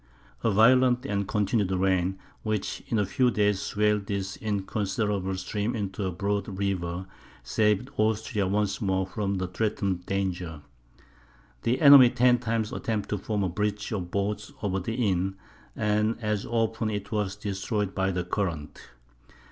A violent and continued rain, which in a few days swelled this inconsiderable stream into a broad river, saved Austria once more from the threatened danger. The enemy ten times attempted to form a bridge of boats over the Inn, and as often it was destroyed by the current.